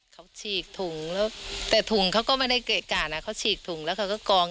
เขาฉีกถุงแต่ถุงเขาก็ไม่ได้กะคั่นเขาฉีกถุงแล้วก็กอง